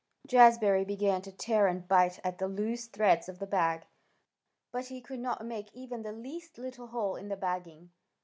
Jazbury began to tear and bite at the loose threads of the bag, but he could not make even the least little hole in the bagging.